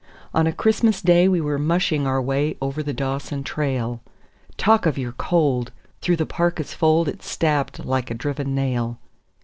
On a Christmas Day we were mushing our way over the Dawson trail. Talk of your cold! through the parka's fold it stabbed like a driven nail.